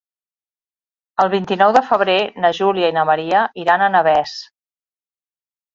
El vint-i-nou de febrer na Júlia i na Maria iran a Navès.